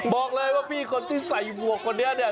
บอกเลยว่าพี่คนที่ใส่หมวกคนนี้เนี่ย